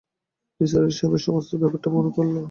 নিসার আলি সাহেবের সমস্ত ব্যাপারটা মনে পড়ল।